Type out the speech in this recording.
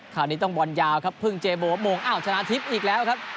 คราวนี้ต้องบอลยาวครับเพิ่งเจโบโมงอ้าวชนะทิพย์อีกแล้วครับ